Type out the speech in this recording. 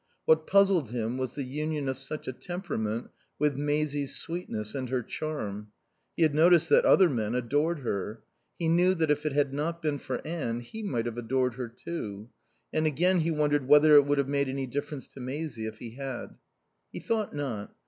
What puzzled him was the union of such a temperament with Maisie's sweetness and her charm He had noticed that other men adored her. He knew that if it had not been for Anne he might have adored her, too. And again he wondered whether it would have made any difference to Maisie if he had. He thought not.